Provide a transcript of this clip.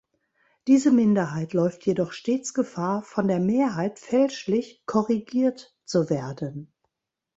Diese Minderheit läuft jedoch stets Gefahr, von der Mehrheit fälschlich „korrigiert“ zu werden.